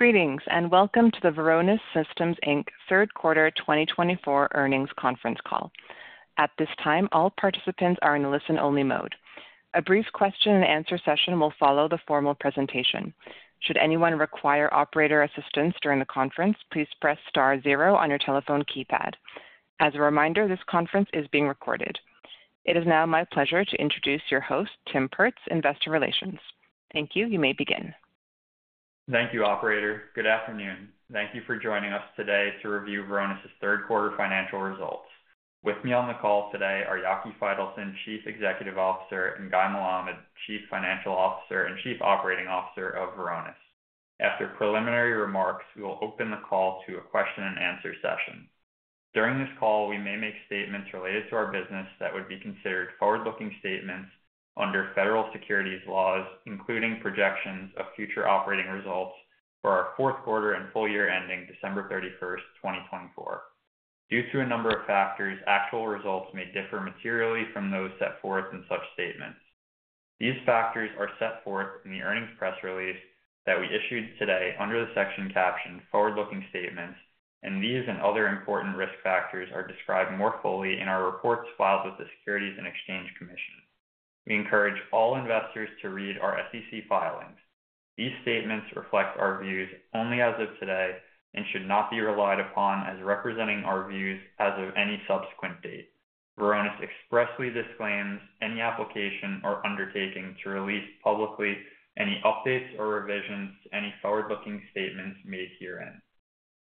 Greetings and welcome to the Varonis Systems Inc. Q3 2024 Earnings Conference Call. At this time, all participants are in listen-only mode. A brief question-and-answer session will follow the formal presentation. Should anyone require operator assistance during the conference, please press star zero on your telephone keypad. As a reminder, this conference is being recorded. It is now my pleasure to introduce your host, Tim Perz, Investor Relations. Thank you. You may begin. Thank you, Operator. Good afternoon. Thank you for joining us today to review Varonis's Q3 financial results. With me on the call today are Yaki Faitelson, Chief Executive Officer, and Guy Melamed, Chief Financial Officer and Chief Operating Officer of Varonis. After preliminary remarks, we will open the call to a question-and-answer session. During this call, we may make statements related to our business that would be considered forward-looking statements under federal securities laws, including projections of future operating results for our Q4 and full year ending December 31st, 2024. Due to a number of factors, actual results may differ materially from those set forth in such statements. These factors are set forth in the earnings press release that we issued today under the section captioned "Forward-Looking Statements," and these and other important risk factors are described more fully in our reports filed with the Securities and Exchange Commission. We encourage all investors to read our SEC filings. These statements reflect our views only as of today and should not be relied upon as representing our views as of any subsequent date. Varonis expressly disclaims any application or undertaking to release publicly any updates or revisions to any forward-looking statements made herein.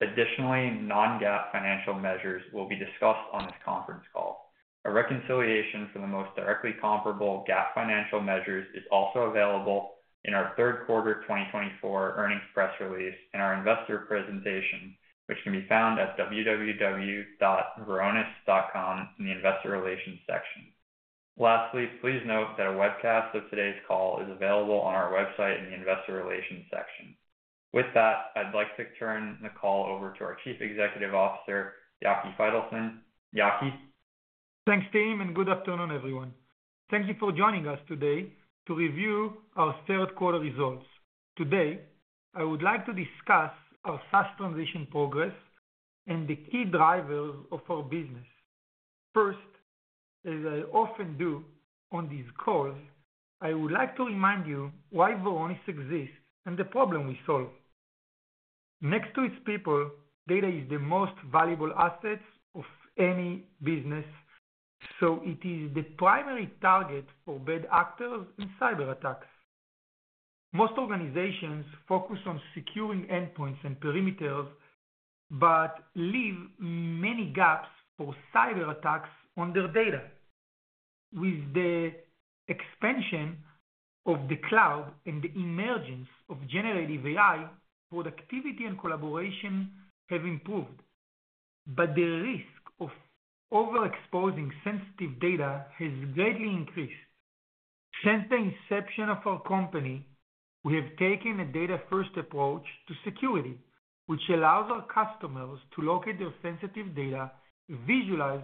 Additionally, non-GAAP financial measures will be discussed on this conference call. A reconciliation for the most directly comparable GAAP financial measures is also available in our Q3 2024 earnings press release and our investor presentation, which can be found at www.varonis.com in the Investor Relations section. Lastly, please note that a webcast of today's call is available on our website in the Investor Relations section. With that, I'd like to turn the call over to our Chief Executive Officer, Yaki Faitelson. Yaki? Thanks, Tim, and good afternoon, everyone. Thank you for joining us today to review our Q3 results. Today, I would like to discuss our SaaS transition progress and the key drivers of our business. First, as I often do on these calls, I would like to remind you why Varonis exists and the problem we solve. Next to its people, data is the most valuable asset of any business, so it is the primary target for bad actors and cyberattacks. Most organizations focus on securing endpoints and perimeters but leave many gaps for cyberattacks on their data. With the expansion of the cloud and the emergence of generative AI, productivity and collaboration have improved, but the risk of overexposing sensitive data has greatly increased. Since the inception of our company, we have taken a data-first approach to security, which allows our customers to locate their sensitive data, visualize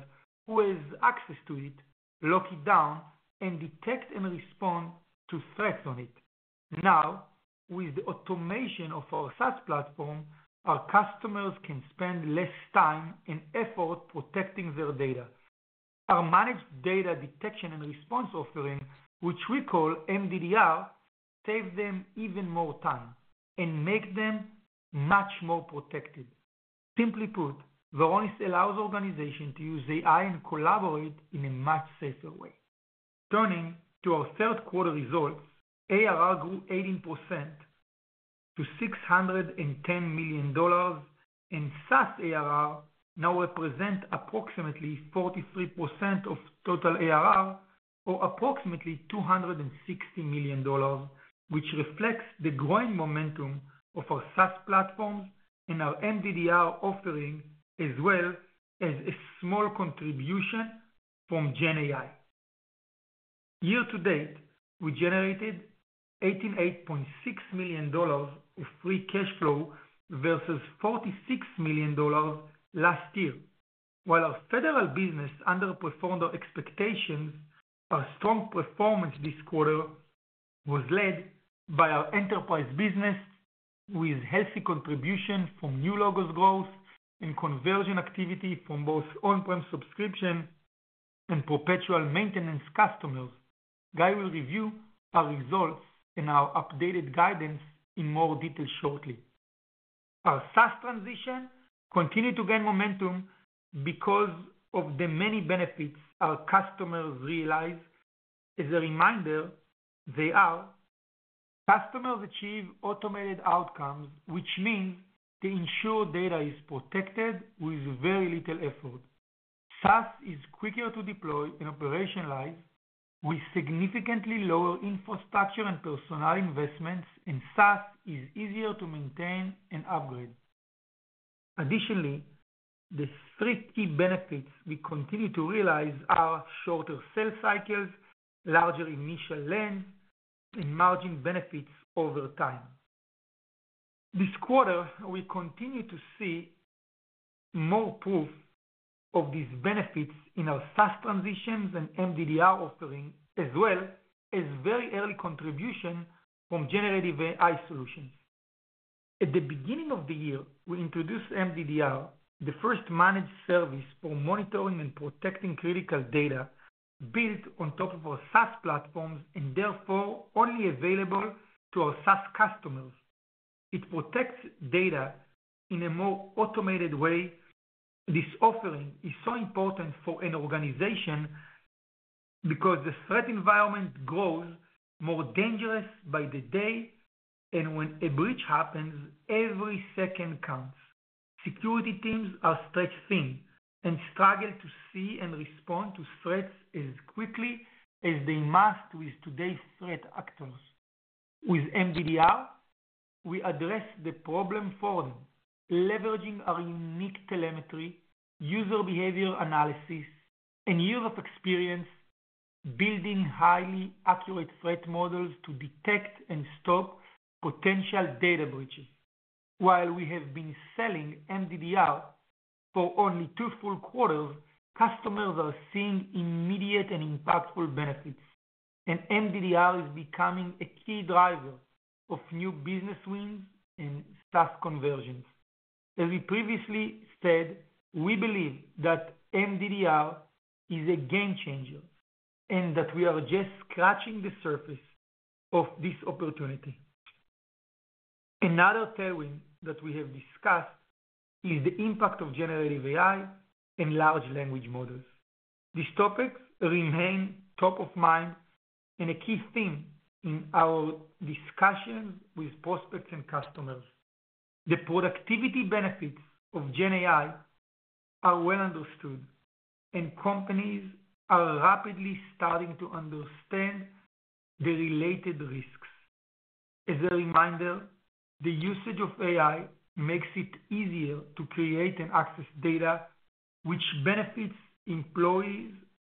who has access to it, lock it down, and detect and respond to threats on it. Now, with the automation of our SaaS platform, our customers can spend less time and effort protecting their data. Our managed data detection and response offering, which we call MDDR, saves them even more time and makes them much more protected. Simply put, Varonis allows organizations to use AI and collaborate in a much safer way. Turning to our Q3 results, ARR grew 18% to $610 million, and SaaS ARR now represents approximately 43% of total ARR, or approximately $260 million, which reflects the growing momentum of our SaaS platforms and our MDDR offering, as well as a small contribution from GenAI. Year to date, we generated $88.6 million of free cash flow versus $46 million last year. While our federal business underperformed our expectations, our strong performance this quarter was led by our enterprise business, with healthy contribution from new logos growth and conversion activity from both on-prem subscription and perpetual maintenance customers. Guy will review our results and our updated guidance in more detail shortly. Our SaaS transition continued to gain momentum because of the many benefits our customers realize. As a reminder, they are: customers achieve automated outcomes, which means they ensure data is protected with very little effort. SaaS is quicker to deploy and operationalize, with significantly lower infrastructure and personnel investments, and SaaS is easier to maintain and upgrade. Additionally, the three key benefits we continue to realize are shorter sales cycles, larger initial length, and margin benefits over time. This quarter, we continue to see more proof of these benefits in our SaaS transitions and MDDR offering, as well as very early contribution from generative AI solutions. At the beginning of the year, we introduced MDDR, the first managed service for monitoring and protecting critical data built on top of our SaaS platforms and therefore only available to our SaaS customers. It protects data in a more automated way. This offering is so important for an organization because the threat environment grows more dangerous by the day, and when a breach happens, every second counts. Security teams are stretched thin and struggle to see and respond to threats as quickly as they must with today's threat actors. With MDDR, we address the problem for them, leveraging our unique telemetry, user behavior analysis, and years of experience, building highly accurate threat models to detect and stop potential data breaches. While we have been selling MDDR for only two full quarters, customers are seeing immediate and impactful benefits, and MDDR is becoming a key driver of new business wins and SaaS conversions. As we previously said, we believe that MDDR is a game changer and that we are just scratching the surface of this opportunity. Another tailwind that we have discussed is the impact of generative AI and large language models. These topics remain top of mind and a key theme in our discussions with prospects and customers. The productivity benefits of GenAI are well understood, and companies are rapidly starting to understand the related risks. As a reminder, the usage of AI makes it easier to create and access data, which benefits employees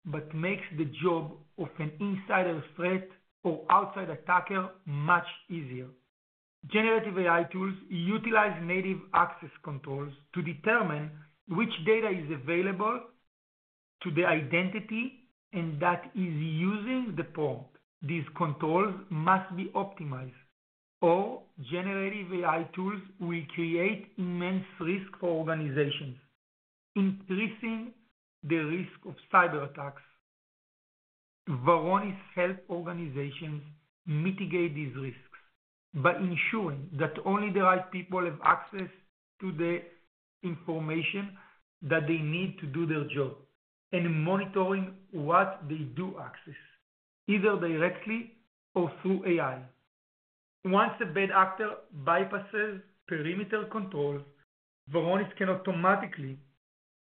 but makes the job of an insider threat or outside attacker much easier. Generative AI tools utilize native access controls to determine which data is available to the identity that is using the prompt. These controls must be optimized, or generative AI tools will create immense risk for organizations, increasing the risk of cyberattacks. Varonis helps organizations mitigate these risks by ensuring that only the right people have access to the information that they need to do their job and monitoring what they do access, either directly or through AI. Once a bad actor bypasses perimeter controls, Varonis can automatically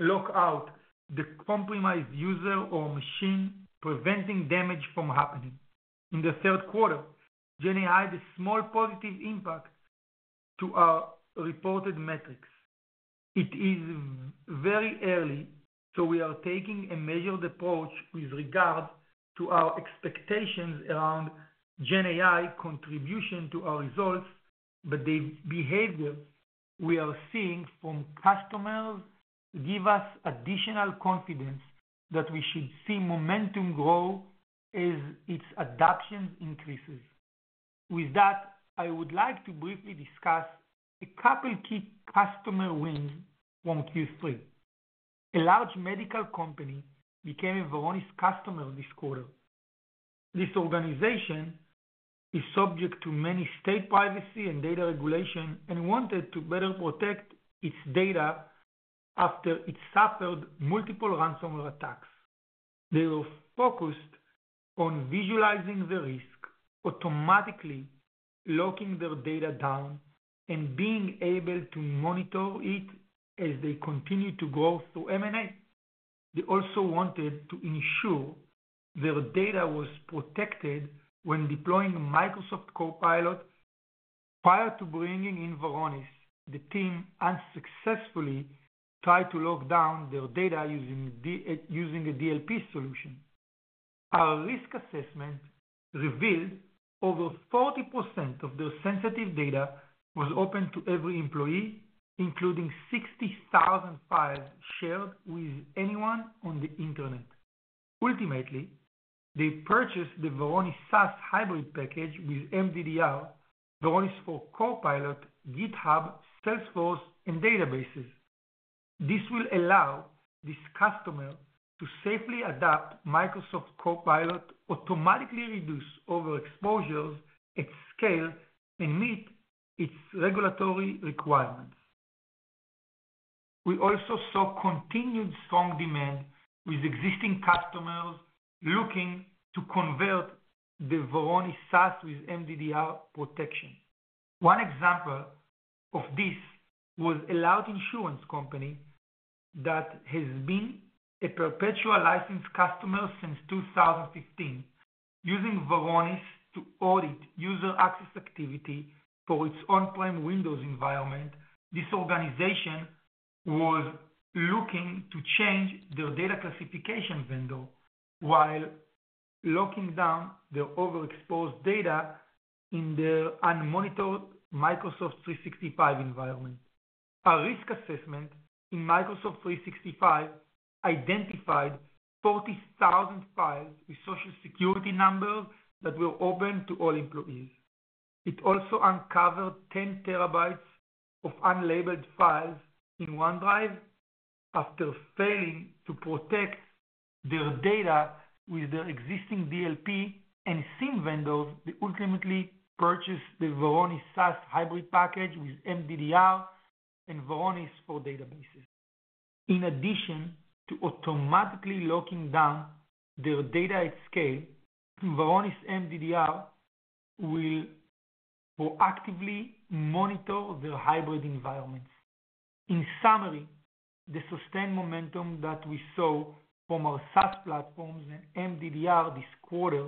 lock out the compromised user or machine, preventing damage from happening. In the Q3, GenAI had a small positive impact to our reported metrics. It is very early, so we are taking a measured approach with regard to our expectations around GenAI contribution to our results, but the behavior we are seeing from customers gives us additional confidence that we should see momentum grow as its adoption increases. With that, I would like to briefly discuss a couple of key customer wins from Q3. A large medical company became a Varonis customer this quarter. This organization is subject to many state privacy and data regulations and wanted to better protect its data after it suffered multiple ransomware attacks. They were focused on visualizing the risk, automatically locking their data down, and being able to monitor it as they continue to grow through M&A. They also wanted to ensure their data was protected when deploying Microsoft Copilot. Prior to bringing in Varonis, the team unsuccessfully tried to lock down their data using a DLP solution. Our risk assessment revealed over 40% of their sensitive data was open to every employee, including 60,000 files shared with anyone on the internet. Ultimately, they purchased the Varonis SaaS hybrid package with MDDR, Varonis for Copilot, GitHub, Salesforce, and databases. This will allow this customer to safely adapt Microsoft Copilot, automatically reduce overexposures at scale, and meet its regulatory requirements. We also saw continued strong demand with existing customers looking to convert the Varonis SaaS with MDDR protection. One example of this was a cloud insurance company that has been a perpetual license customer since 2015, using Varonis to audit user access activity for its on-prem Windows environment. This organization was looking to change their data classification vendor while locking down their overexposed data in their unmonitored Microsoft 365 environment. Our risk assessment in Microsoft 365 identified 40,000 files with Social Security numbers that were open to all employees. It also uncovered 10 terabytes of unlabeled files in OneDrive after failing to protect their data with their existing DLP and SIEM vendors. They ultimately purchased the Varonis SaaS hybrid package with MDDR and Varonis for databases. In addition to automatically locking down their data at scale, Varonis MDDR will proactively monitor their hybrid environments. In summary, the sustained momentum that we saw from our SaaS platforms and MDDR this quarter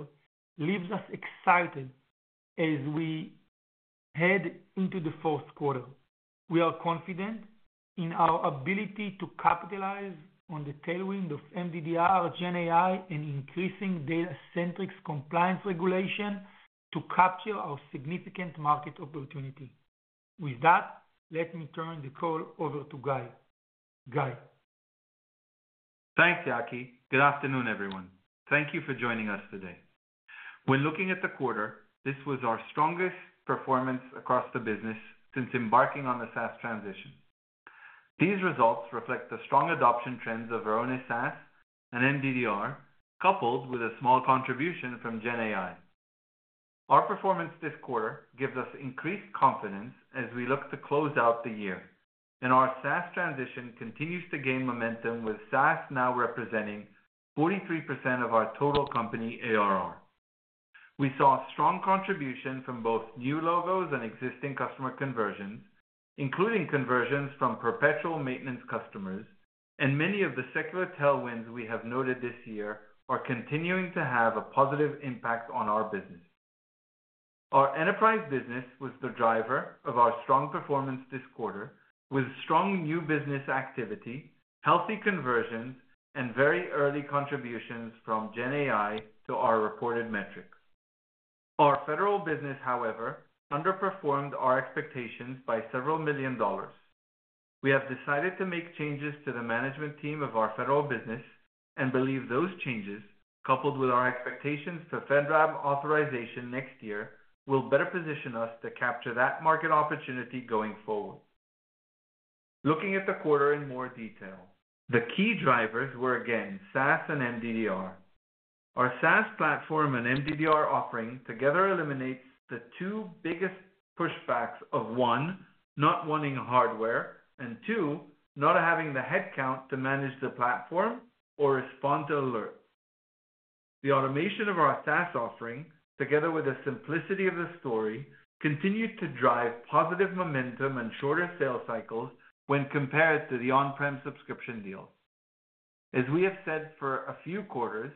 leaves us excited as we head into the Q4. We are confident in our ability to capitalize on the tailwind of MDDR, GenAI, and increasing data-centric compliance regulation to capture our significant market opportunity. With that, let me turn the call over to Guy. Guy. Thanks, Yaki. Good afternoon, everyone. Thank you for joining us today. When looking at the quarter, this was our strongest performance across the business since embarking on the SaaS transition. These results reflect the strong adoption trends of Varonis SaaS and MDDR, coupled with a small contribution from GenAI. Our performance this quarter gives us increased confidence as we look to close out the year, and our SaaS transition continues to gain momentum, with SaaS now representing 43% of our total company ARR. We saw a strong contribution from both new logos and existing customer conversions, including conversions from perpetual maintenance customers, and many of the secular tailwinds we have noted this year are continuing to have a positive impact on our business. Our enterprise business was the driver of our strong performance this quarter, with strong new business activity, healthy conversions, and very early contributions from GenAI to our reported metrics. Our federal business, however, underperformed our expectations by several million dollars. We have decided to make changes to the management team of our federal business and believe those changes, coupled with our expectations for FedRAMP authorization next year, will better position us to capture that market opportunity going forward. Looking at the quarter in more detail, the key drivers were again SaaS and MDDR. Our SaaS platform and MDDR offering together eliminate the two biggest pushbacks of one, not wanting hardware, and two, not having the headcount to manage the platform or respond to alerts. The automation of our SaaS offering, together with the simplicity of the story, continued to drive positive momentum and shorter sales cycles when compared to the on-prem subscription deal. As we have said for a few quarters,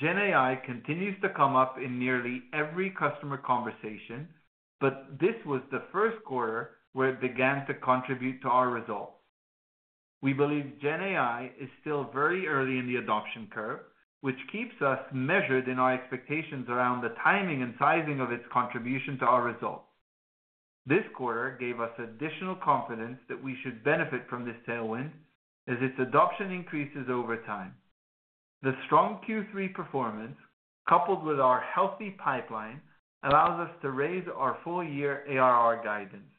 GenAI continues to come up in nearly every customer conversation, but this was the Q1 where it began to contribute to our results. We believe GenAI is still very early in the adoption curve, which keeps us measured in our expectations around the timing and sizing of its contribution to our results. This quarter gave us additional confidence that we should benefit from this tailwind as its adoption increases over time. The strong Q3 performance, coupled with our healthy pipeline, allows us to raise our full-year ARR guidance.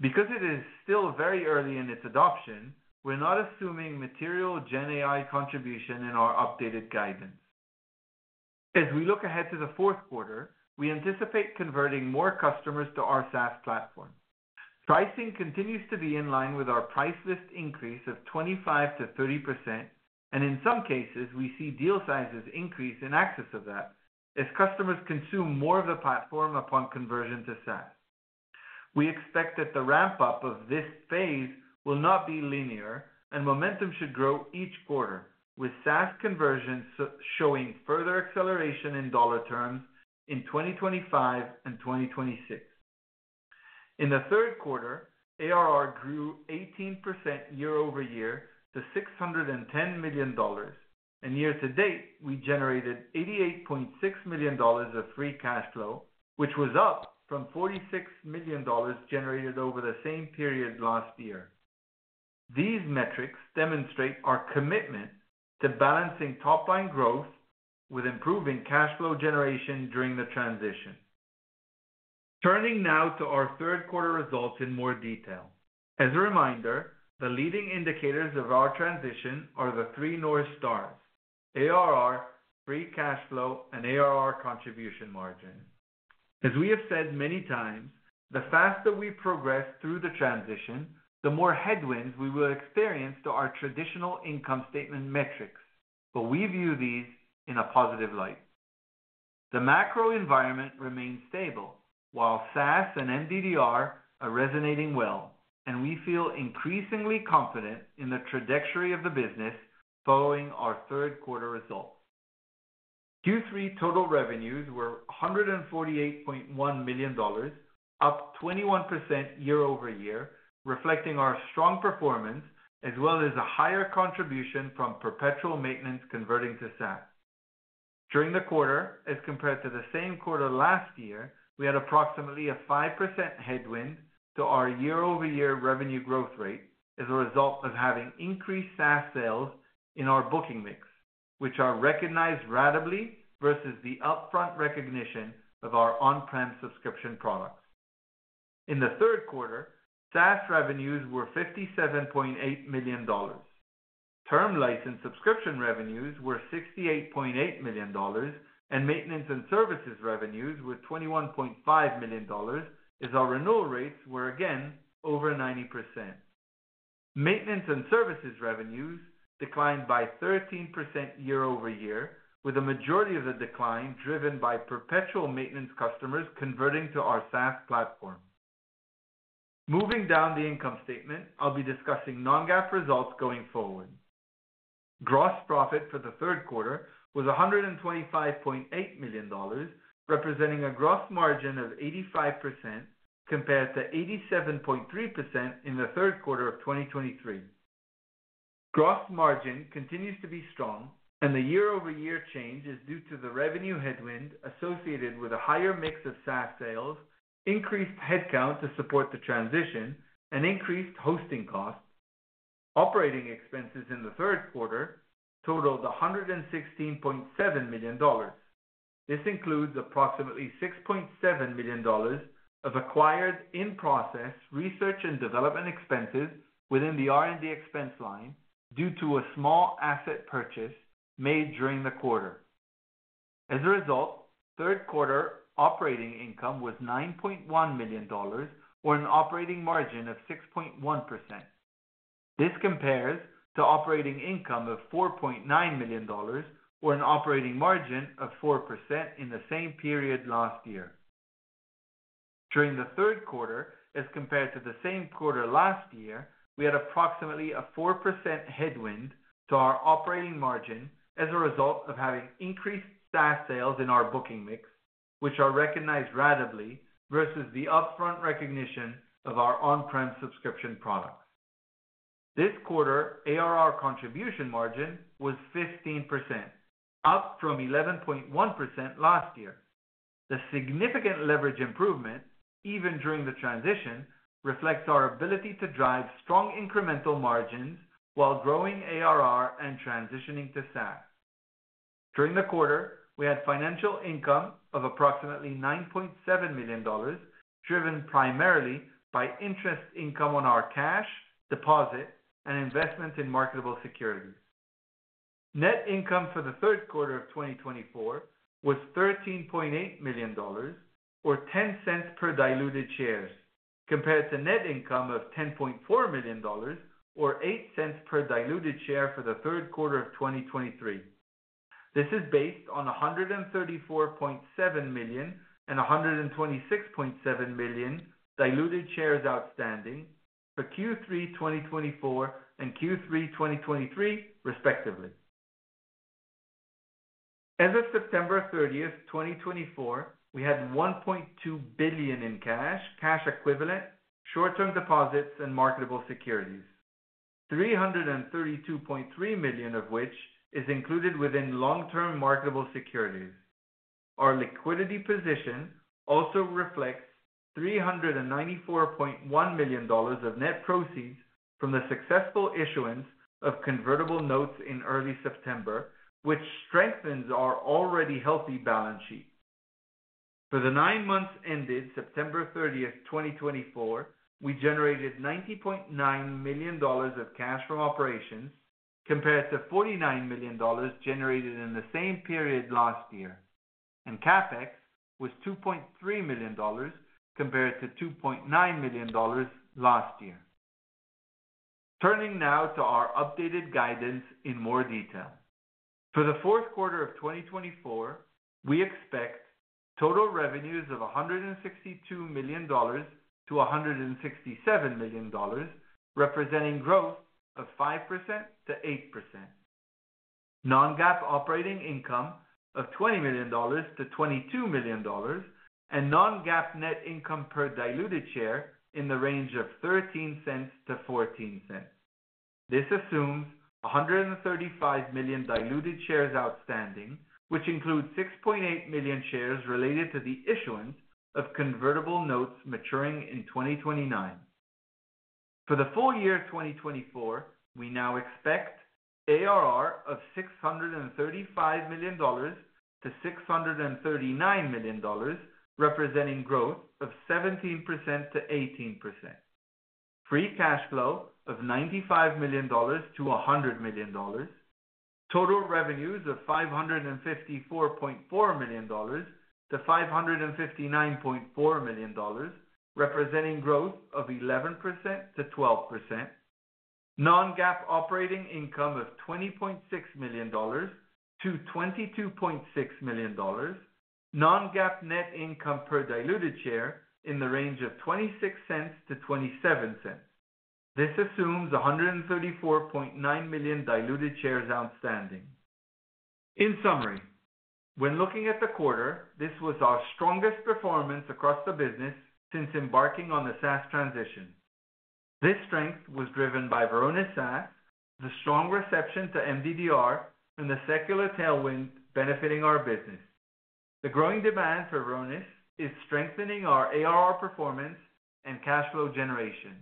Because it is still very early in its adoption, we're not assuming material GenAI contribution in our updated guidance. As we look ahead to the Q4, we anticipate converting more customers to our SaaS platform. Pricing continues to be in line with our price list increase of 25%-30%, and in some cases, we see deal sizes increase in excess of that as customers consume more of the platform upon conversion to SaaS. We expect that the ramp-up of this phase will not be linear, and momentum should grow each quarter, with SaaS conversions showing further acceleration in dollar terms in 2025 and 2026. In the Q3, ARR grew 18% year-over-year to $610 million, and year to date, we generated $88.6 million of free cash flow, which was up from $46 million generated over the same period last year. These metrics demonstrate our commitment to balancing top-line growth with improving cash flow generation during the transition. Turning now to our Q3 results in more detail. As a reminder, the leading indicators of our transition are the three North Stars: ARR, free cash flow, and ARR contribution margin. As we have said many times, the faster we progress through the transition, the more headwinds we will experience to our traditional income statement metrics, but we view these in a positive light. The macro environment remains stable, while SaaS and MDDR are resonating well, and we feel increasingly confident in the trajectory of the business following our Q3 results. Q3 total revenues were $148.1 million, up 21% year over year, reflecting our strong performance as well as a higher contribution from perpetual maintenance converting to SaaS. During the quarter, as compared to the same quarter last year, we had approximately a 5% headwind to our year-over-year revenue growth rate as a result of having increased SaaS sales in our booking mix, which are recognized ratably versus the upfront recognition of our on-prem subscription products. In the Q3, SaaS revenues were $57.8 million. Term license subscription revenues were $68.8 million, and maintenance and services revenues were $21.5 million as our renewal rates were again over 90%. Maintenance and services revenues declined by 13% year over year, with a majority of the decline driven by perpetual maintenance customers converting to our SaaS platform. Moving down the income statement, I'll be discussing non-GAAP results going forward. Gross profit for the Q3 was $125.8 million, representing a gross margin of 85% compared to 87.3% in the Q3 of 2023. Gross margin continues to be strong, and the year-over-year change is due to the revenue headwind associated with a higher mix of SaaS sales, increased headcount to support the transition, and increased hosting costs. Operating expenses in the Q3 totaled $116.7 million. This includes approximately $6.7 million of acquired in-process research and development expenses within the R&D expense line due to a small asset purchase made during the quarter. As a result, Q3 operating income was $9.1 million, or an operating margin of 6.1%. This compares to operating income of $4.9 million, or an operating margin of 4% in the same period last year. During the Q3, as compared to the same quarter last year, we had approximately a 4% headwind to our operating margin as a result of having increased SaaS sales in our booking mix, which are recognized ratably versus the upfront recognition of our on-prem subscription products. This quarter, ARR contribution margin was 15%, up from 11.1% last year. The significant leverage improvement, even during the transition, reflects our ability to drive strong incremental margins while growing ARR and transitioning to SaaS. During the quarter, we had financial income of approximately $9.7 million, driven primarily by interest income on our cash, deposit, and investments in marketable securities. Net income for the Q3 of 2024 was $13.8 million, or $0.10 per diluted share, compared to net income of $10.4 million, or $0.08 per diluted share for the Q3 of 2023. This is based on 134.7 million and 126.7 million diluted shares outstanding for Q3 2024 and Q3 2023, respectively. As of September 30, 2024, we had $1.2 billion in cash, cash equivalents, short-term deposits, and marketable securities, $332.3 million of which is included within long-term marketable securities. Our liquidity position also reflects $394.1 million of net proceeds from the successful issuance of convertible notes in early September, which strengthens our already healthy balance sheet. For the nine months ended September 30, 2024, we generated $90.9 million of cash from operations compared to $49 million generated in the same period last year, and CapEx was $2.3 million compared to $2.9 million last year. Turning now to our updated guidance in more detail. For the Q4 of 2024, we expect total revenues of $162 million-$167 million, representing growth of 5%-8%. Non-GAAP operating income of $20 million-$22 million, and non-GAAP net income per diluted share in the range of $0.13-$0.14. This assumes 135 million diluted shares outstanding, which includes 6.8 million shares related to the issuance of convertible notes maturing in 2029. For the full year 2024, we now expect ARR of $635 million-$639 million, representing growth of 17%-18%. Free cash flow of $95 million-$100 million. Total revenues of $554.4 million-$559.4 million, representing growth of 11%-12%. Non-GAAP operating income of $20.6 million-$22.6 million. Non-GAAP net income per diluted share in the range of $0.26-$0.27. This assumes 134.9 million diluted shares outstanding. In summary, when looking at the quarter, this was our strongest performance across the business since embarking on the SaaS transition. This strength was driven by Varonis SaaS, the strong reception to MDDR, and the secular tailwind benefiting our business. The growing demand for Varonis is strengthening our ARR performance and cash flow generation,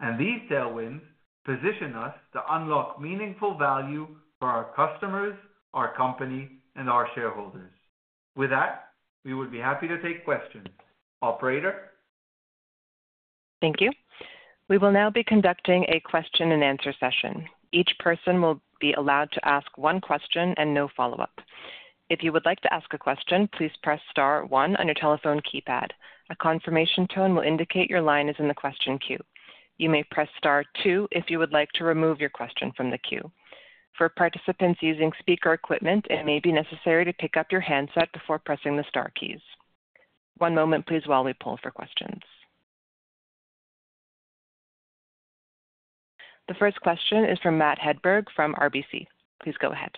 and these tailwinds position us to unlock meaningful value for our customers, our company, and our shareholders. With that, we would be happy to take questions. Operator? Thank you. We will now be conducting a question-and-answer session. Each person will be allowed to ask one question and no follow-up. If you would like to ask a question, please press Star 1 on your telephone keypad. A confirmation tone will indicate your line is in the question queue. You may press star two if you would like to remove your question from the queue. For participants using speaker equipment, it may be necessary to pick up your handset before pressing the star keys. One moment, please, while we poll for questions. The first question is from Matt Hedberg from RBC. Please go ahead.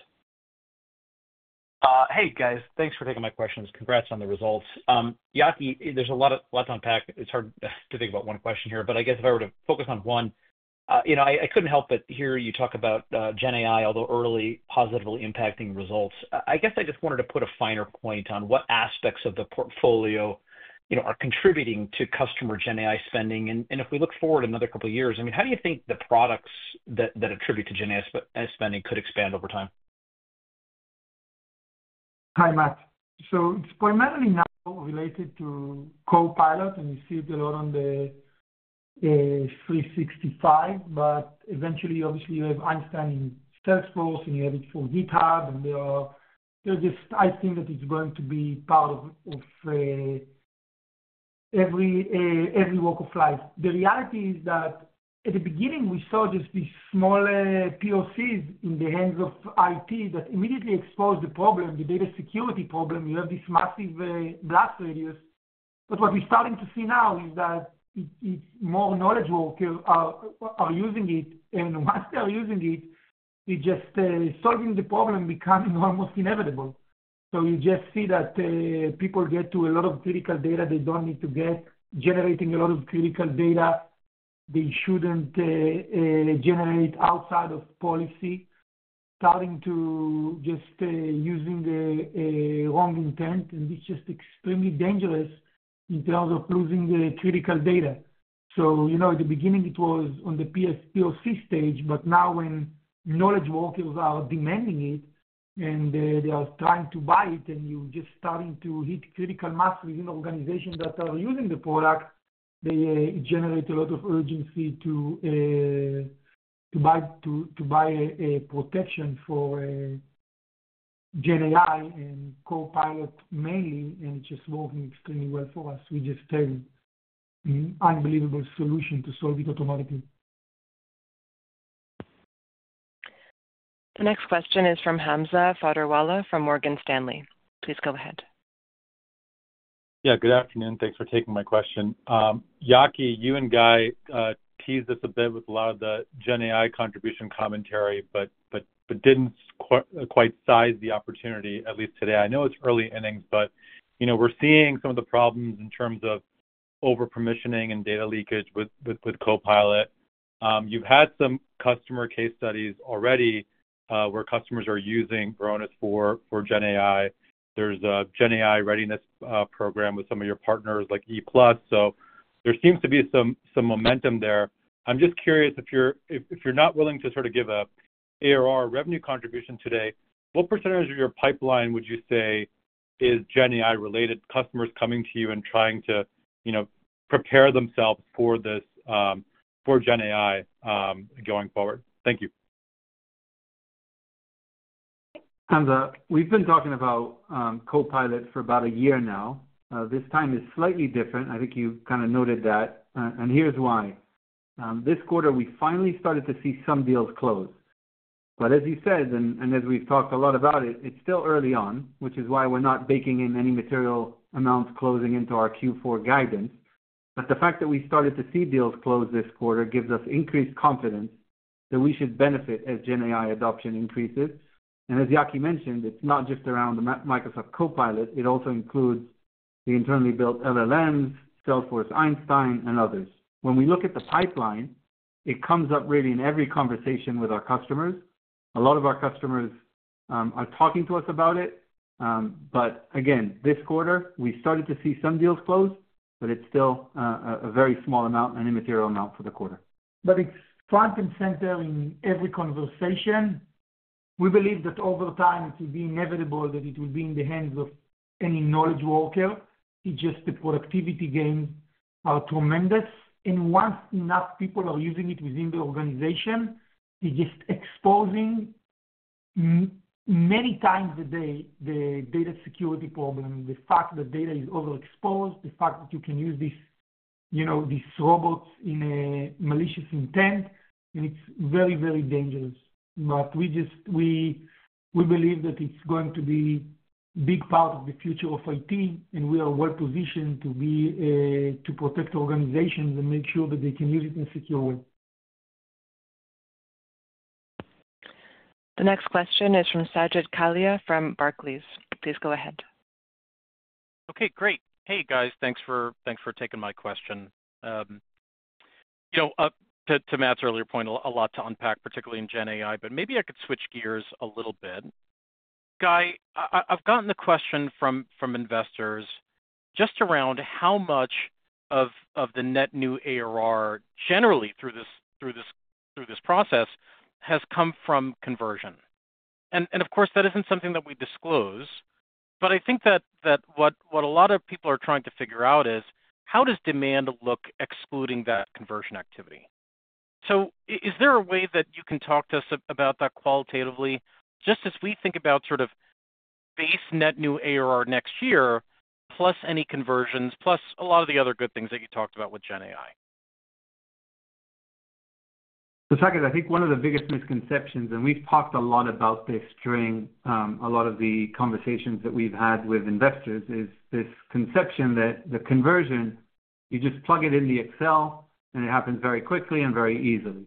Hey, guys. Thanks for taking my questions. Congrats on the results. Yaki, there's a lot to unpack. It's hard to think about one question here, but I guess if I were to focus on one, you know I couldn't help but hear you talk about GenAI, although early, positively impacting results. I guess I just wanted to put a finer point on what aspects of the portfolio are contributing to customer GenAI spending. And if we look forward another couple of years, I mean, how do you think the products that contribute to GenAI spending could expand over time? Hi, Matt. So it's primarily now related to Copilot, and you see it a lot on the 365, but eventually, obviously, you have Einstein in Salesforce, and you have it for GitHub, and they are just, I think that it's going to be part of every walk of life. The reality is that at the beginning, we saw just these small POCs in the hands of IT that immediately exposed the problem, the data security problem. You have this massive blast radius. But what we're starting to see now is that more knowledge workers are using it, and once they are using it, it just is solving the problem becoming almost inevitable. So you just see that people get to a lot of critical data they don't need to get, generating a lot of critical data they shouldn't generate outside of policy, starting to just using the wrong intent, and it's just extremely dangerous in terms of losing the critical data. So you know at the beginning, it was on the POC stage, but now when knowledge workers are demanding it and they are trying to buy it, and you're just starting to hit critical masses in organizations that are using the product, they generate a lot of urgency to buy a protection for GenAI and Copilot mainly, and it's just working extremely well for us. We just have an unbelievable solution to solve it automatically. The next question is from Hamza Fodderwala from Morgan Stanley. Please go ahead. Yeah, good afternoon. Thanks for taking my question. Yaki, you and Guy teased this a bit with a lot of the GenAI contribution commentary, but didn't quite size the opportunity, at least today. I know it's early innings, but you know we're seeing some of the problems in terms of over-permissioning and data leakage with Copilot. You've had some customer case studies already where customers are using Varonis for GenAI. There's a GenAI readiness program with some of your partners like ePlus, so there seems to be some momentum there. I'm just curious, if you're not willing to sort of give an ARR revenue contribution today, what percentage of your pipeline would you say is GenAI-related, customers coming to you and trying to prepare themselves for GenAI going forward? Thank you. Hamza, we've been talking about Copilot for about a year now. This time is slightly different. I think you kind of noted that, and here's why. This quarter, we finally started to see some deals close. But as you said, and as we've talked a lot about it, it's still early on, which is why we're not baking in any material amounts closing into our Q4 guidance. But the fact that we started to see deals close this quarter gives us increased confidence that we should benefit as GenAI adoption increases. And as Yaki mentioned, it's not just around the Microsoft Copilot. It also includes the internally built LLMs, Salesforce, Einstein, and others. When we look at the pipeline, it comes up really in every conversation with our customers. A lot of our customers are talking to us about it, but again, this quarter, we started to see some deals close, but it's still a very small amount, an immaterial amount for the quarter. But it's front and center in every conversation. We believe that over time, it will be inevitable that it will be in the hands of any knowledge worker. It's just the productivity gains are tremendous, and once enough people are using it within the organization, it's just exposing many times a day the data security problem, the fact that data is overexposed, the fact that you can use these robots in a malicious intent, and it's very, very dangerous, but we believe that it's going to be a big part of the future of IT, and we are well-positioned to protect organizations and make sure that they can use it in a secure way. The next question is from Saket Kalia from Barclays. Please go ahead. Okay, great. Hey, guys, thanks for taking my question. You know, to Matt's earlier point, a lot to unpack, particularly in GenAI, but maybe I could switch gears a little bit. Guy, I've gotten the question from investors just around how much of the net new ARR generally through this process has come from conversion. And of course, that isn't something that we disclose, but I think that what a lot of people are trying to figure out is how does demand look excluding that conversion activity? So is there a way that you can talk to us about that qualitatively, just as we think about sort of base net new ARR next year, plus any conversions, plus a lot of the other good things that you talked about with GenAI? So Saket, I think one of the biggest misconceptions, and we've talked a lot about this during a lot of the conversations that we've had with investors, is this conception that the conversion, you just plug it in the Excel, and it happens very quickly and very easily.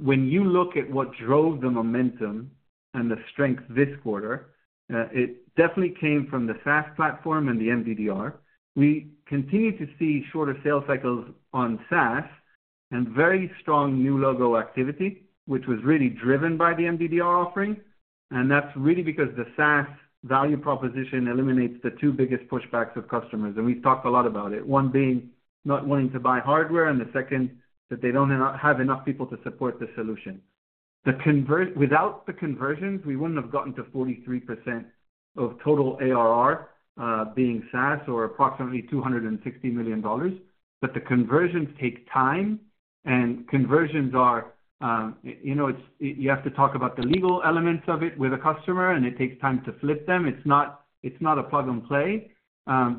When you look at what drove the momentum and the strength this quarter, it definitely came from the SaaS platform and the MDDR. We continue to see shorter sales cycles on SaaS and very strong new logo activity, which was really driven by the MDDR offering, and that's really because the SaaS value proposition eliminates the two biggest pushbacks of customers. And we've talked a lot about it, one being not wanting to buy hardware and the second that they don't have enough people to support the solution. Without the conversions, we wouldn't have gotten to 43% of total ARR being SaaS or approximately $260 million, but the conversions take time, and conversions are, you know, you have to talk about the legal elements of it with a customer, and it takes time to flip them. It's not a plug and play.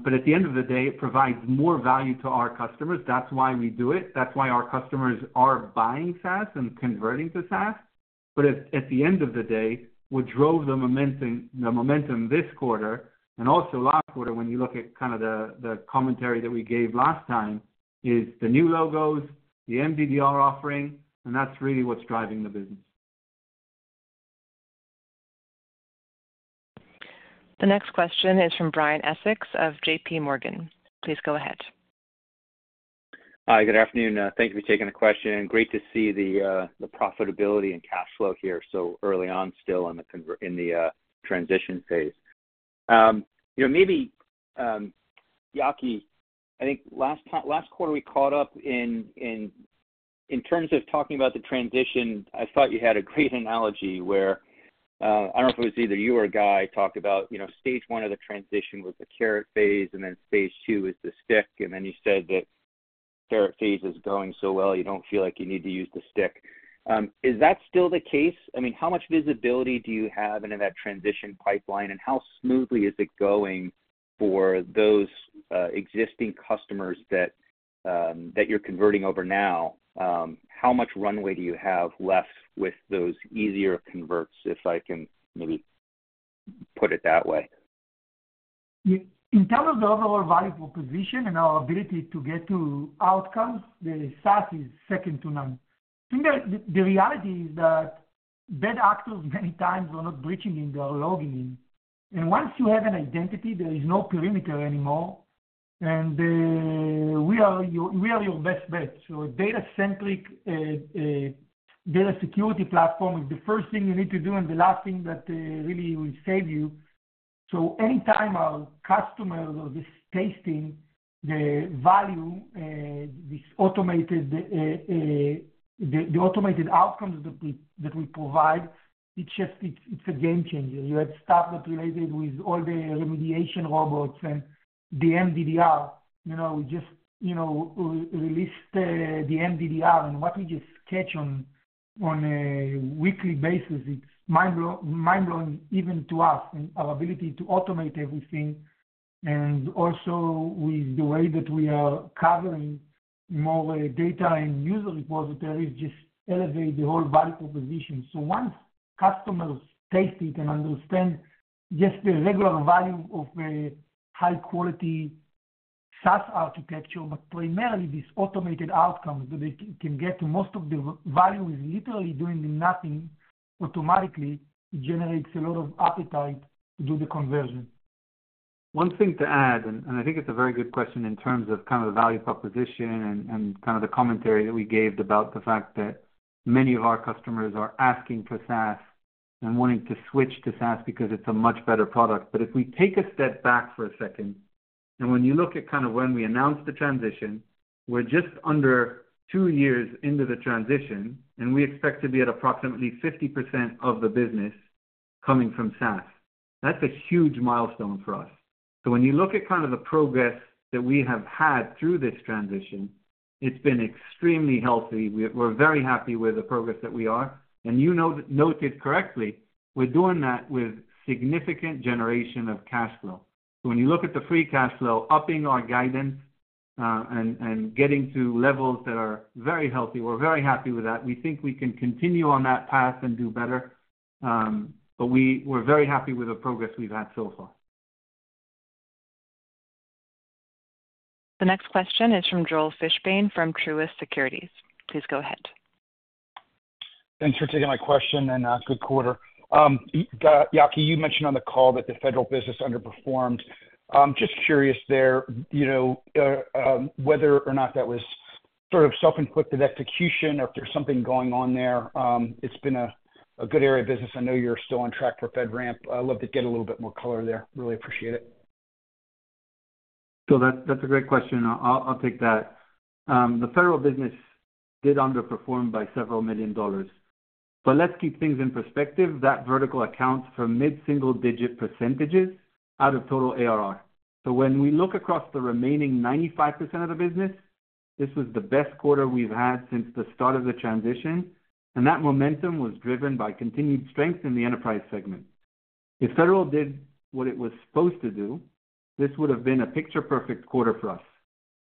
But at the end of the day, it provides more value to our customers. That's why we do it. That's why our customers are buying SaaS and converting to SaaS. But at the end of the day, what drove the momentum this quarter, and also last quarter, when you look at kind of the commentary that we gave last time, is the new logos, the MDDR offering, and that's really what's driving the business. The next question is from Brian Essex of J.P. Morgan. Please go ahead. Hi, good afternoon. Thank you for taking the question. Great to see the profitability and cash flow here. So early on still in the transition phase. You know, maybe, Yaki, I think last quarter we caught up in terms of talking about the transition. I thought you had a great analogy where I don't know if it was either you or Guy talked about, you know, stage one of the transition was the carrot phase, and then phase two is the stick. And then you said that the carrot phase is going so well, you don't feel like you need to use the stick. Is that still the case? I mean, how much visibility do you have into that transition pipeline, and how smoothly is it going for those existing customers that you're converting over now? How much runway do you have left with those easier converts, if I can maybe put it that way? In terms of our value proposition and our ability to get to outcomes, the SaaS is second to none. I think the reality is that bad actors many times are not breaching in their logging in. And once you have an identity, there is no perimeter anymore, and we are your best bet. So a data-centric data security platform is the first thing you need to do and the last thing that really will save you. So anytime our customers are just tasting the value, the automated outcomes that we provide, it's just, it's a game changer. You had stuff that related with all the remediation robots and the MDDR. You know, we just, you know, released the MDDR, and what we just catch on a weekly basis, it's mind-blowing even to us and our ability to automate everything. And also with the way that we are covering more data and user repositories just elevates the whole value proposition. So once customers taste it and understand just the regular value of a high-quality SaaS architecture, but primarily this automated outcome that they can get to most of the value is literally doing nothing automatically, it generates a lot of appetite to do the conversion. One thing to add, and I think it's a very good question in terms of kind of the value proposition and kind of the commentary that we gave about the fact that many of our customers are asking for SaaS and wanting to switch to SaaS because it's a much better product. But if we take a step back for a second, and when you look at kind of when we announced the transition, we're just under two years into the transition, and we expect to be at approximately 50% of the business coming from SaaS. That's a huge milestone for us. So when you look at kind of the progress that we have had through this transition, it's been extremely healthy. We're very happy with the progress that we are. And you noted correctly, we're doing that with significant generation of cash flow. So when you look at the free cash flow, upping our guidance and getting to levels that are very healthy, we're very happy with that. We think we can continue on that path and do better, but we're very happy with the progress we've had so far. The next question is from Joel Fishbein from Truist Securities. Please go ahead. Thanks for taking my question and good quarter. Yaki, you mentioned on the call that the federal business underperformed. Just curious there, you know, whether or not that was sort of self-inflicted execution or if there's something going on there. It's been a good area of business. I know you're still on track for FedRAMP. I'd love to get a little bit more color there. Really appreciate it. So that's a great question. I'll take that. The federal business did underperform by several million dollars. But let's keep things in perspective. That vertical accounts for mid-single-digit % out of total ARR. So when we look across the remaining 95% of the business, this was the best quarter we've had since the start of the transition, and that momentum was driven by continued strength in the enterprise segment. If federal did what it was supposed to do, this would have been a picture-perfect quarter for us.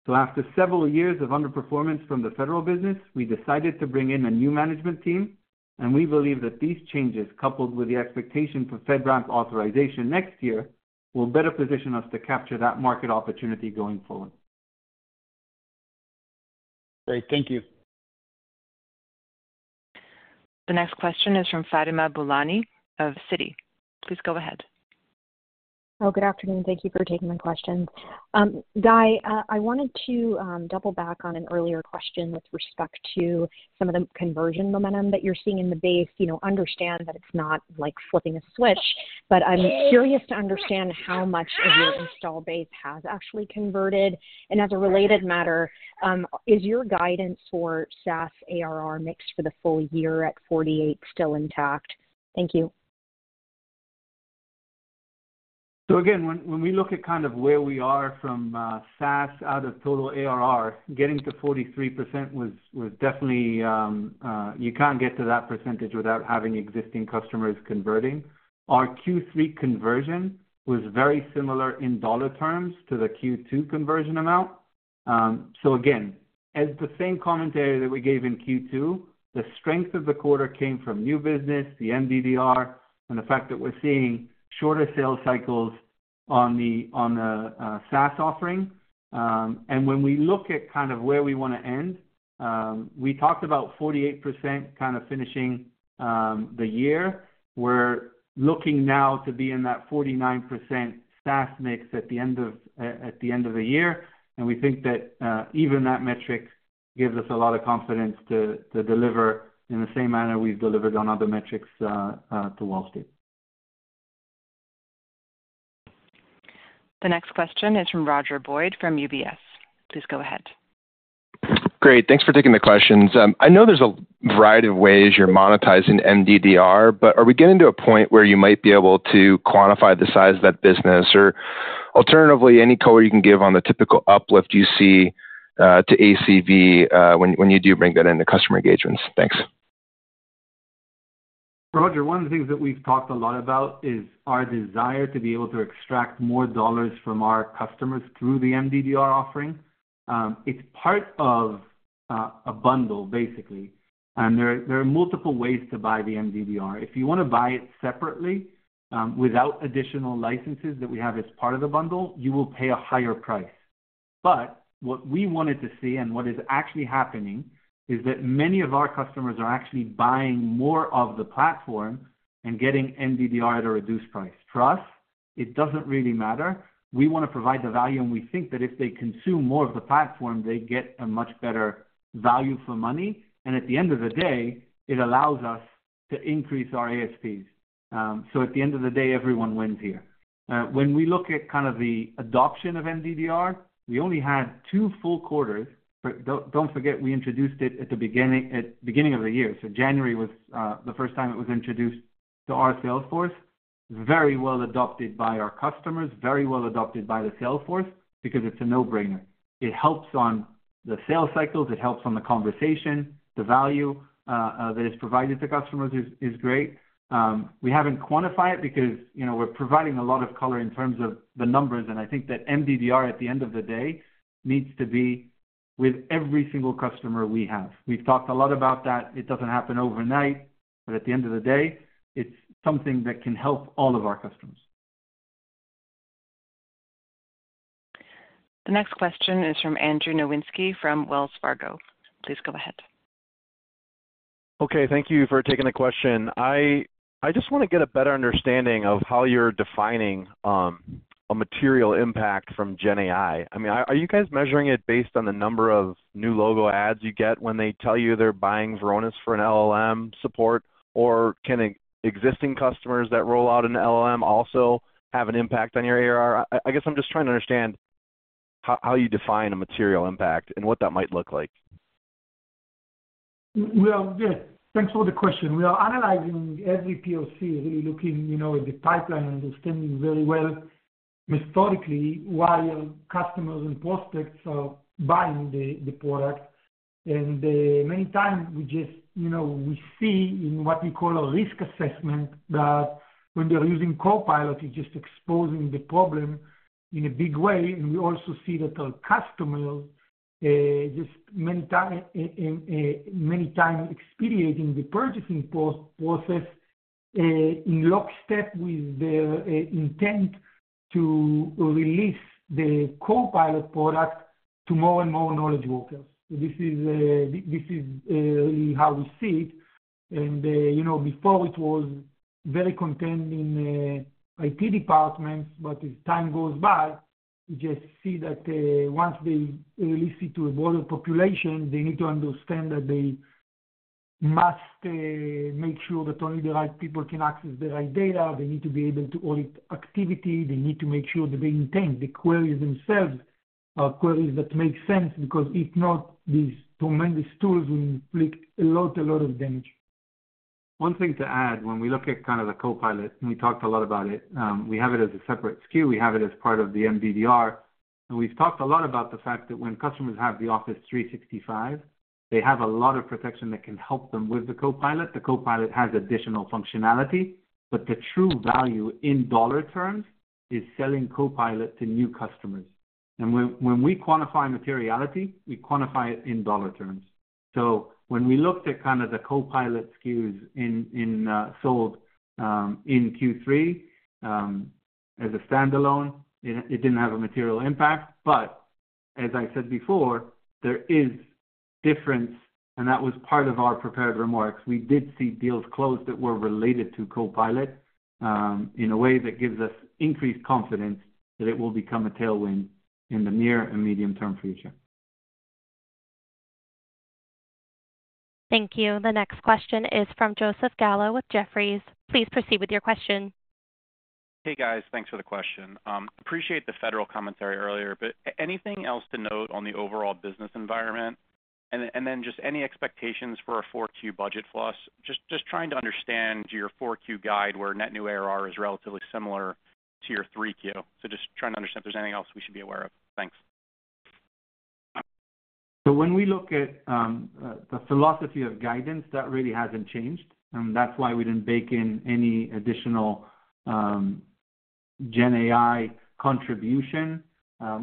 After several years of underperformance from the federal business, we decided to bring in a new management team, and we believe that these changes, coupled with the expectation for FedRAMP authorization next year, will better position us to capture that market opportunity going forward. Great. Thank you. The next question is from Fatima Boolani of Citi. Please go ahead. Oh, good afternoon. Thank you for taking my questions. Guy, I wanted to double back on an earlier question with respect to some of the conversion momentum that you're seeing in the base. You know, understand that it's not like flipping a switch, but I'm curious to understand how much of your installed base has actually converted. And as a related matter, is your guidance for SaaS ARR mix for the full year at 48 still intact? Thank you. So again, when we look at kind of where we are from SaaS out of total ARR, getting to 43% was definitely. You can't get to that percentage without having existing customers converting. Our Q3 conversion was very similar in dollar terms to the Q2 conversion amount. So again, as the same commentary that we gave in Q2, the strength of the quarter came from new business, the MDDR, and the fact that we're seeing shorter sales cycles on the SaaS offering. And when we look at kind of where we want to end, we talked about 48% kind of finishing the year. We're looking now to be in that 49% SaaS mix at the end of the year. And we think that even that metric gives us a lot of confidence to deliver in the same manner we've delivered on other metrics to Wall Street. The next question is from Roger Boyd from UBS. Please go ahead. Great. Thanks for taking the questions. I know there's a variety of ways you're monetizing MDDR, but are we getting to a point where you might be able to quantify the size of that business? Or alternatively, any color you can give on the typical uplift you see to ACV when you do bring that into customer engagements? Thanks. Roger, one of the things that we've talked a lot about is our desire to be able to extract more dollars from our customers through the MDDR offering. It's part of a bundle, basically. And there are multiple ways to buy the MDDR. If you want to buy it separately without additional licenses that we have as part of the bundle, you will pay a higher price. But what we wanted to see and what is actually happening is that many of our customers are actually buying more of the platform and getting MDDR at a reduced price. For us, it doesn't really matter. We want to provide the value, and we think that if they consume more of the platform, they get a much better value for money. And at the end of the day, it allows us to increase our ASPs. So at the end of the day, everyone wins here. When we look at kind of the adoption of MDDR, we only had two full quarters. Don't forget we introduced it at the beginning of the year. So January was the first time it was introduced to our Salesforce. Very well adopted by our customers, very well adopted by the Salesforce because it's a no-brainer. It helps on the sales cycles. It helps on the conversation. The value that is provided to customers is great. We haven't quantified it because, you know, we're providing a lot of color in terms of the numbers, and I think that MDDR at the end of the day needs to be with every single customer we have. We've talked a lot about that. It doesn't happen overnight, but at the end of the day, it's something that can help all of our customers. The next question is from Andrew Nowinski from Wells Fargo. Please go ahead. Okay. Thank you for taking the question. I just want to get a better understanding of how you're defining a material impact from GenAI. I mean, are you guys measuring it based on the number of new logo adds you get when they tell you they're buying Varonis for an LLM support? Or can existing customers that roll out an LLM also have an impact on your ARR? I guess I'm just trying to understand how you define a material impact and what that might look like. Yeah. Thanks for the question. We are analyzing every POC, really looking, you know, at the pipeline and understanding very well methodically why our customers and prospects are buying the product. And many times we just, you know, we see in what we call a risk assessment that when they're using Copilot, it's just exposing the problem in a big way. And we also see that our customers just many times expediting the purchasing process in lockstep with their intent to release the Copilot product to more and more knowledge workers. This is really how we see it. You know, before it was very content in IT departments, but as time goes by, you just see that once they release it to a broader population, they need to understand that they must make sure that only the right people can access the right data. They need to be able to audit activity. They need to make sure that the intent of the queries themselves are queries that make sense because if not, these tremendous tools will inflict a lot, a lot of damage. One thing to add, when we look at kind of the Copilot, and we talked a lot about it, we have it as a separate SKU. We have it as part of the MDDR. And we've talked a lot about the fact that when customers have the Office 365, they have a lot of protection that can help them with the Copilot. The Copilot has additional functionality, but the true value in dollar terms is selling Copilot to new customers. And when we quantify materiality, we quantify it in dollar terms. So when we looked at kind of the Copilot SKUs sold in Q3 as a standalone, it didn't have a material impact. But as I said before, there is difference, and that was part of our prepared remarks. We did see deals closed that were related to Copilot in a way that gives us increased confidence that it will become a tailwind in the near and medium-term future. Thank you. The next question is from Joseph Gallo with Jefferies. Please proceed with your question. Hey, guys. Thanks for the question. Appreciate the federal commentary earlier, but anything else to note on the overall business environment? And then just any expectations for a Q4 budget for us? Just trying to understand your Q4 guide where net new ARR is relatively similar to your Q3. So just trying to understand if there's anything else we should be aware of. Thanks. So when we look at the philosophy of guidance, that really hasn't changed. And that's why we didn't bake in any additional GenAI contribution.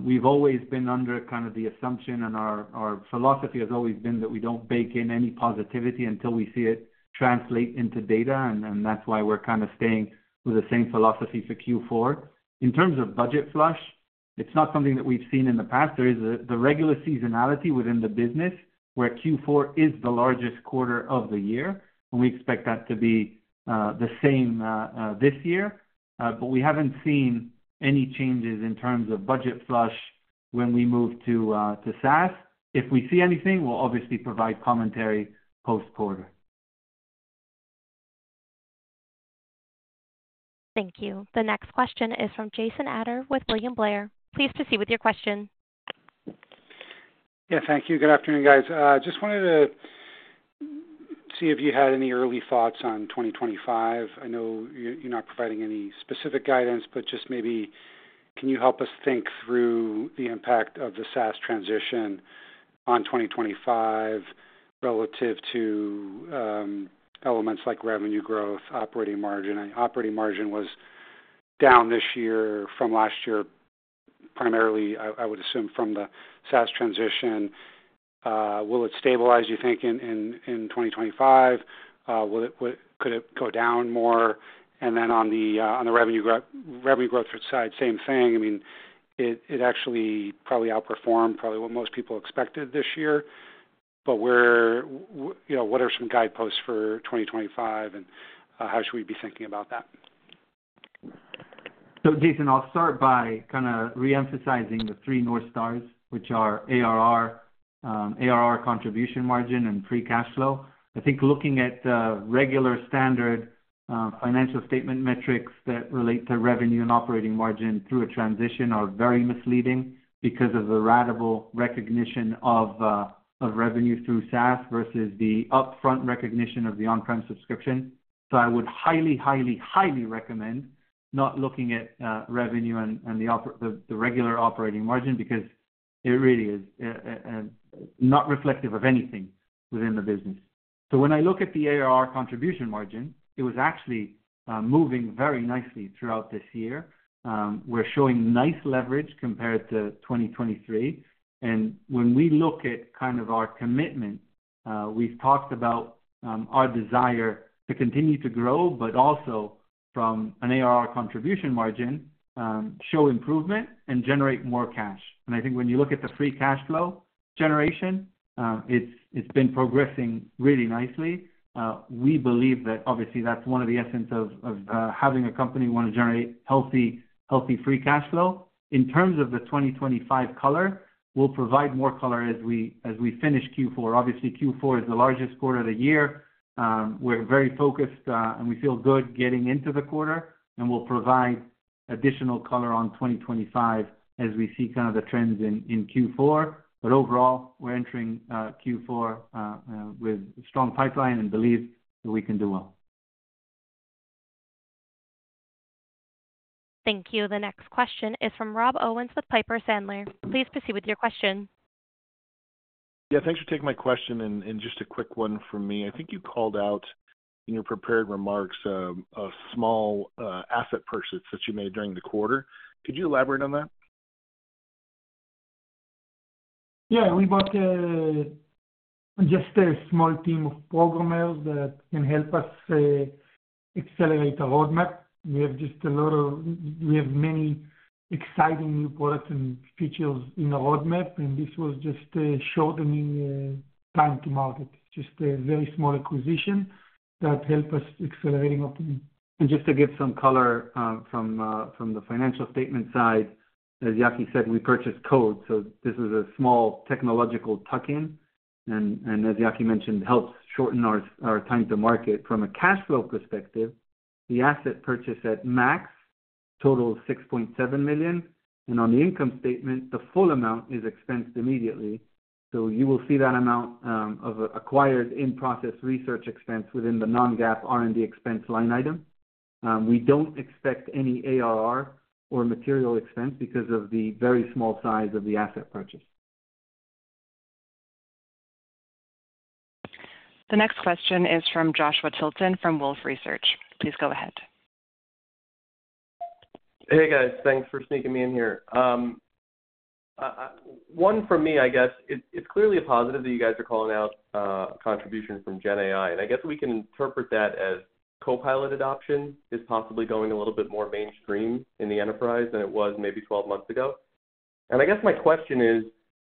We've always been under kind of the assumption, and our philosophy has always been that we don't bake in any positivity until we see it translate into data. And that's why we're kind of staying with the same philosophy for Q4. In terms of budget flush, it's not something that we've seen in the past. There is the regular seasonality within the business where Q4 is the largest quarter of the year. And we expect that to be the same this year. But we haven't seen any changes in terms of budget flush when we move to SaaS. If we see anything, we'll obviously provide commentary post-quarter. Thank you. The next question is from Jason Ader with William Blair. Please proceed with your question. Yeah. Thank you. Good afternoon, guys. Just wanted to see if you had any early thoughts on 2025. I know you're not providing any specific guidance, but just maybe can you help us think through the impact of the SaaS transition on 2025 relative to elements like revenue growth, operating margin? Operating margin was down this year from last year, primarily, I would assume, from the SaaS transition. Will it stabilize, you think, in 2025? Could it go down more? And then on the revenue growth side, same thing. I mean, it actually probably outperformed what most people expected this year. What are some guideposts for 2025, and how should we be thinking about that? Jason, I'll start by kind of re-emphasizing the three North Stars, which are ARR, ARR contribution margin, and free cash flow. I think looking at regular standard financial statement metrics that relate to revenue and operating margin through a transition are very misleading because of the ratable recognition of revenue through SaaS versus the upfront recognition of the on-prem subscription. I would highly, highly, highly recommend not looking at revenue and the regular operating margin because it really is not reflective of anything within the business. When I look at the ARR contribution margin, it was actually moving very nicely throughout this year. We're showing nice leverage compared to 2023. And when we look at kind of our commitment, we've talked about our desire to continue to grow, but also from an ARR contribution margin, show improvement and generate more cash. And I think when you look at the free cash flow generation, it's been progressing really nicely. We believe that, obviously, that's one of the essence of having a company want to generate healthy free cash flow. In terms of the 2025 color, we'll provide more color as we finish Q4. Obviously, Q4 is the largest quarter of the year. We're very focused, and we feel good getting into the quarter. And we'll provide additional color on 2025 as we see kind of the trends in Q4. But overall, we're entering Q4 with a strong pipeline and believe that we can do well. Thank you. The next question is from Rob Owens with Piper Sandler. Please proceed with your question. Yeah. Thanks for taking my question. And just a quick one for me. I think you called out in your prepared remarks a small asset purchase that you made during the quarter. Could you elaborate on that? Yeah. We bought just a small team of programmers that can help us accelerate the roadmap. We have many exciting new products and features in the roadmap. And this was just a shortening time to market. It's just a very small acquisition that helped us accelerating up. And just to give some color from the financial statement side, as Yaki said, we purchased code. So this is a small technological tuck-in. And as Yaki mentioned, helps shorten our time to market. From a cash flow perspective, the asset purchase at max totaled $6.7 million. On the income statement, the full amount is expensed immediately. So you will see that amount of acquired in-process research expense within the non-GAAP R&D expense line item. We don't expect any ARR or material expense because of the very small size of the asset purchase. The next question is from Joshua Tilton from Wolfe Research. Please go ahead. Hey, guys. Thanks for sneaking me in here. One for me, I guess, it's clearly a positive that you guys are calling out contribution from GenAI. And I guess we can interpret that as Copilot adoption is possibly going a little bit more mainstream in the enterprise than it was maybe 12 months ago. I guess my question is,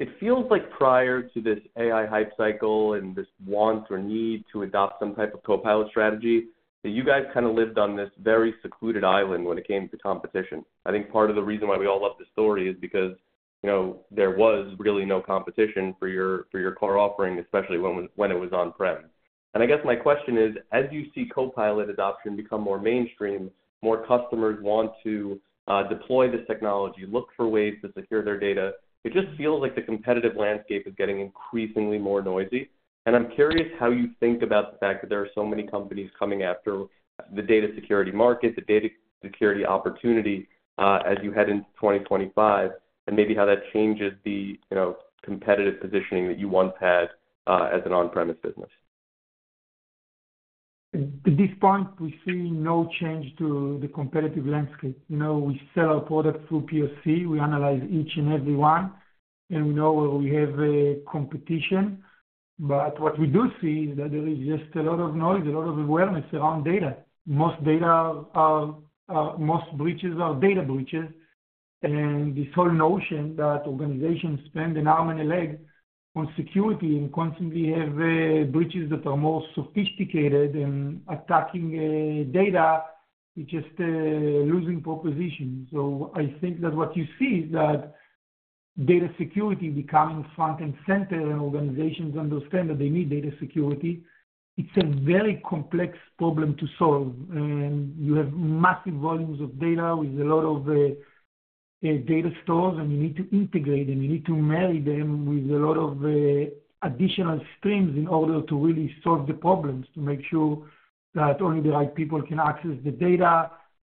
it feels like prior to this AI hype cycle and this want or need to adopt some type of Copilot strategy, that you guys kind of lived on this very secluded island when it came to competition. I think part of the reason why we all love this story is because there was really no competition for your core offering, especially when it was on-prem. I guess my question is, as you see Copilot adoption become more mainstream, more customers want to deploy this technology, look for ways to secure their data. It just feels like the competitive landscape is getting increasingly more noisy. I'm curious how you think about the fact that there are so many companies coming after the data security market, the data security opportunity as you head into 2025, and maybe how that changes the competitive positioning that you once had as an on-premise business. At this point, we see no change to the competitive landscape. We sell our product through POC. We analyze each and every one. And we know where we have competition. But what we do see is that there is just a lot of noise, a lot of awareness around data. Most breaches are data breaches. And this whole notion that organizations spend an arm and a leg on security and constantly have breaches that are more sophisticated and attacking data, it's just a losing proposition. So, I think that what you see is that data security becoming front and center and organizations understand that they need data security. It's a very complex problem to solve. And you have massive volumes of data with a lot of data stores, and you need to integrate them. You need to marry them with a lot of additional streams in order to really solve the problems, to make sure that only the right people can access the data,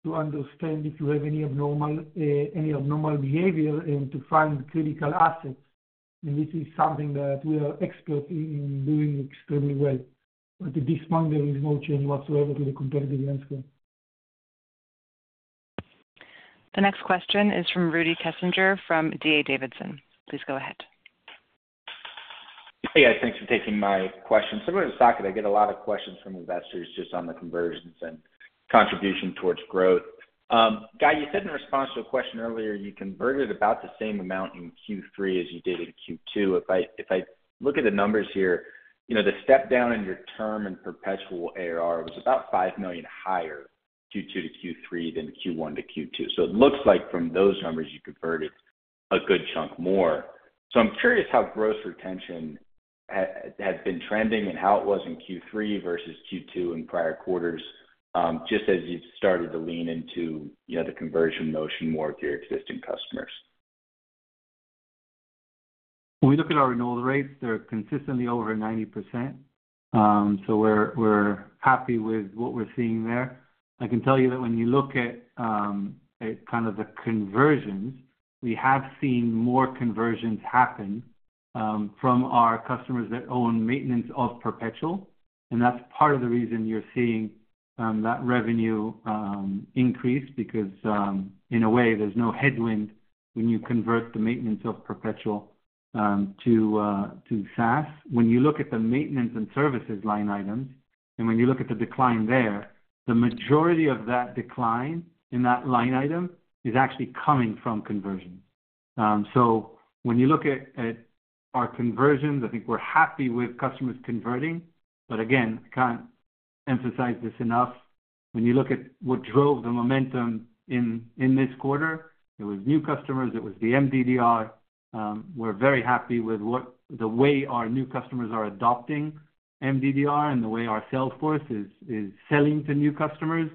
to understand if you have any abnormal behavior, and to find critical assets. And this is something that we are experts in doing extremely well. But at this point, there is no change whatsoever to the competitive landscape. The next question is from Rudy Kessinger from D.A. Davidson. Please go ahead. Hey, guys. Thanks for taking my question. Similar to Saket, I get a lot of questions from investors just on the conversions and contribution towards growth. Guy, you said in response to a question earlier, you converted about the same amount in Q3 as you did in Q2. If I look at the numbers here, the step down in your term and perpetual ARR was about $5 million higher Q2 to Q3 than Q1 to Q2. So it looks like from those numbers, you converted a good chunk more. So I'm curious how gross retention has been trending and how it was in Q3 versus Q2 in prior quarters, just as you've started to lean into the conversion motion more with your existing customers. When we look at our renewal rates, they're consistently over 90%. So we're happy with what we're seeing there. I can tell you that when you look at kind of the conversions, we have seen more conversions happen from our customers that own maintenance of perpetual. And that's part of the reason you're seeing that revenue increase because, in a way, there's no headwind when you convert the maintenance of perpetual to SaaS. When you look at the maintenance and services line items, and when you look at the decline there, the majority of that decline in that line item is actually coming from conversions. So when you look at our conversions, I think we're happy with customers converting. But again, I can't emphasize this enough. When you look at what drove the momentum in this quarter, it was new customers. It was the MDDR. We're very happy with the way our new customers are adopting MDDR and the way our sales force is selling to new customers.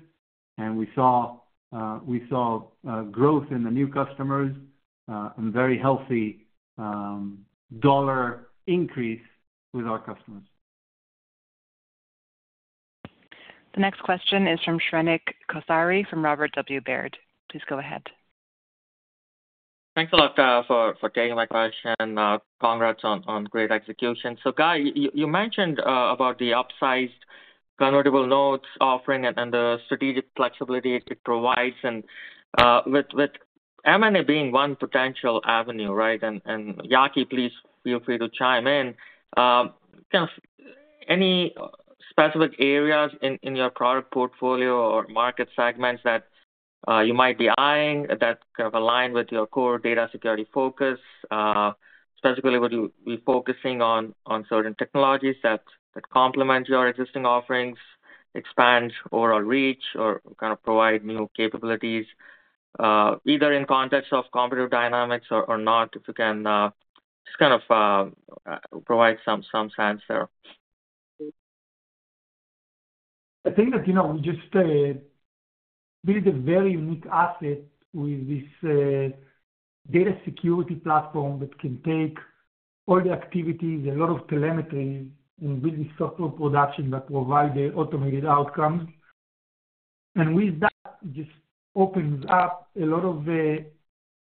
We saw growth in the new customers and very healthy dollar increase with our customers. The next question is from Shrenik Kothari from Robert W. Baird. Please go ahead. Thanks a lot for getting my question. Congrats on great execution. So Guy, you mentioned about the upsized convertible notes offering and the strategic flexibility it provides. And with M&A being one potential avenue, right? And Yaki, please feel free to chime in. Kind of any specific areas in your product portfolio or market segments that you might be eyeing that kind of align with your core data security focus, specifically what you're focusing on, on certain technologies that complement your existing offerings, expand overall reach, or kind of provide new capabilities, either in context of competitive dynamics or not, if you can just kind of provide some sense there. I think that we just built a very unique asset with this data security platform that can take all the activities, a lot of telemetry, and build the software protection that provides the automated outcomes, and with that, it just opens up a lot of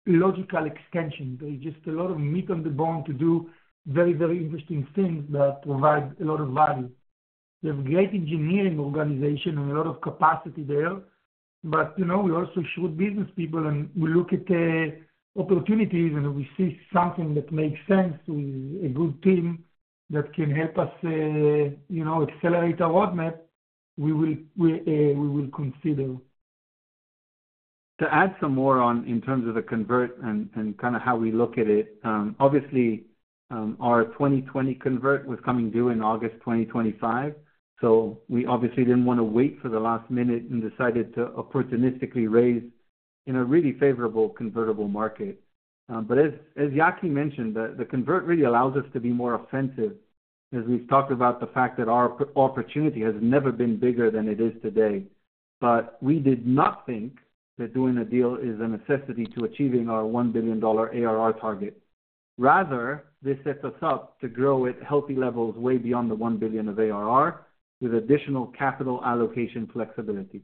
logical extensions. There's just a lot of meat on the bone to do very, very interesting things that provide a lot of value. We have great engineering organization and a lot of capacity there, but we also scout business people, and we look at opportunities, and if we see something that makes sense with a good team that can help us accelerate our roadmap, we will consider. To add some more on, in terms of the convertible and kind of how we look at it, obviously, our 2020 convertible was coming due in August 2025. So we obviously didn't want to wait for the last minute and decided to opportunistically raise in a really favorable convertible market. But as Yaki mentioned, the convert really allows us to be more offensive as we've talked about the fact that our opportunity has never been bigger than it is today. But we did not think that doing a deal is a necessity to achieving our $1 billion ARR target. Rather, this sets us up to grow at healthy levels way beyond the 1 billion of ARR with additional capital allocation flexibility.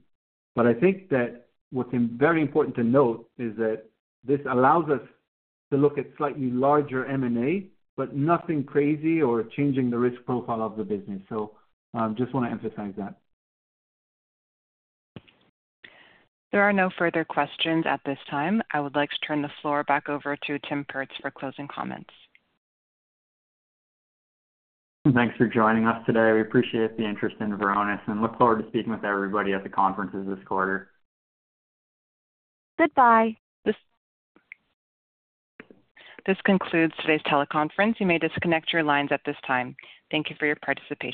But I think that what's very important to note is that this allows us to look at slightly larger M&A, but nothing crazy or changing the risk profile of the business. So I just want to emphasize that. There are no further questions at this time. I would like to turn the floor back over to Tim Perz for closing comments. Thanks for joining us today. We appreciate the interest in Varonis and look forward to speaking with everybody at the conferences this quarter. Goodbye. This concludes today's teleconference. You may disconnect your lines at this time. Thank you for your participation.